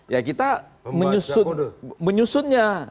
ya kita menyusunnya